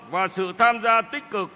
và sự tham gia tích cực